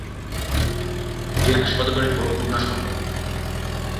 জেলা সদরে বরগুনা শহর।